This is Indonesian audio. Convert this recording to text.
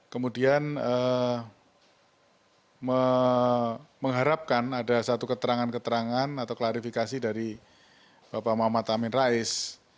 kemudian mengharapkan ada satu keterangan keterangan atau klarifikasi dari bapak muhammad amin rais